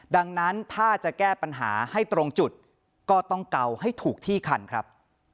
ดังนั้นถ้าจะแก้ปัญหาให้ตรงจุดก็ต้องเกาให้ถูกที่คันครับ